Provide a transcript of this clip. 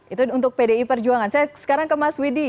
itu untuk pdi perjuangan saya sekarang ke mas widi